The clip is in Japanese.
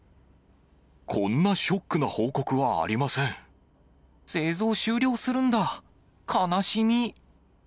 こんなショックな報告はあり製造終了するんだ、悲しみ。